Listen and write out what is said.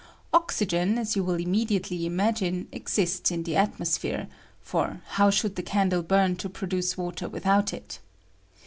Oxy gen, as you wiU immediately imagine, exists in the atmospliere ; for how should the candle bum to produce water without it?